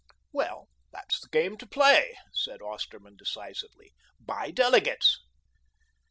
"Well, that's the game to play," said Osterman decisively, "buy delegates."